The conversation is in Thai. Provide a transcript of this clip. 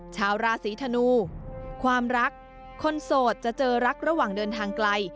ชาวราศีธนูความรักคนโสดจะเจอรักระหว่างเดินทางไกล